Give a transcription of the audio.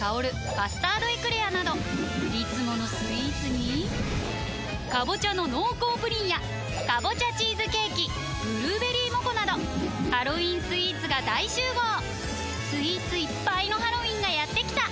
「カスタードエクレア」などいつものスイーツに「かぼちゃの濃厚プリン」や「かぼちゃチーズケーキ」「ぶるーべりーもこ」などハロウィンスイーツが大集合スイーツいっぱいのハロウィンがやってきた！